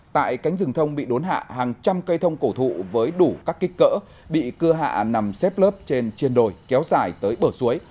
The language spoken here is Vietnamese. tại cánh rừng thông bị đốn hạ hàng trăm cây thông cổ thụ với đủ các kích cỡ bị cưa hạ nằm xếp lớp trên chiên đồi kéo dài tới bờ suối